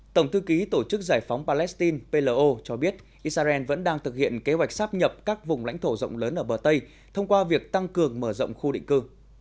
tổng thư ký tổ chức giải phóng palestine plo cho biết israel vẫn đang thực hiện kế hoạch sáp nhập các vùng lãnh thổ rộng lớn ở bờ tây thông qua việc tăng cường mở rộng khu định cư